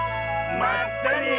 まったね！